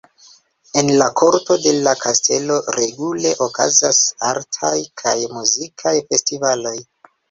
En la korto de la kastelo regule okazas artaj kaj muzikaj festivaloj.